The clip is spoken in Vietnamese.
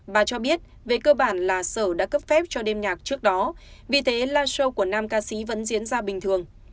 bà cho biết về cơ bản là sở đã cấp phép cho đêm nhạc trước đó vì thế live show của nam ca sĩ vẫn diễn ra bình thường